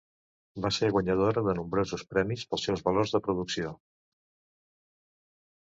Va ser guanyadora de nombrosos premis, pels seus valors de producció.